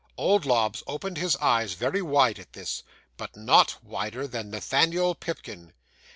'Old Lobbs opened his eyes very wide at this, but not wider than Nathaniel Pipkin.